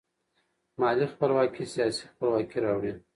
مالي خپلواکي سیاسي خپلواکي راوړي.